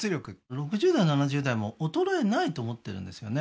６０代７０代も衰えないと思ってるんですよね